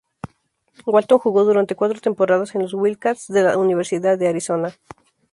Walton jugó durante cuatro temporadas en los "Wildcats" de la Universidad de Arizona.